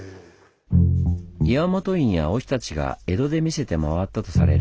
岩本院や御師たちが江戸で見せて回ったとされる